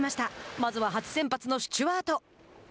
まずは初先発のスチュワート。